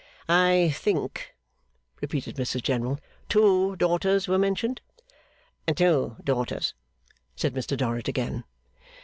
'I think,' repeated Mrs General, 'two daughters were mentioned?' 'Two daughters,' said Mr Dorrit again.